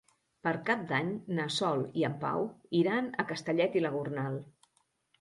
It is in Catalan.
Per Cap d'Any na Sol i en Pau iran a Castellet i la Gornal.